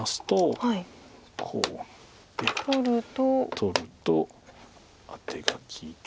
取るとアテが利いて。